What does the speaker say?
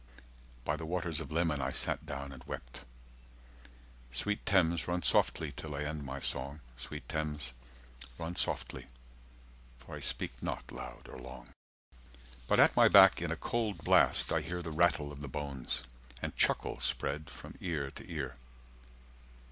By the waters of Leman I sat down and wept ... Sweet Thames, run softly till I end my song, Sweet Thames, run softly, for I speak not loud or long. But at my back in a cold blast I hear The rattle of the bones, and chuckle spread from ear to ear.